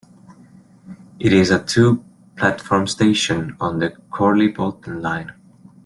It is a two-platform station on the Chorley-Bolton line.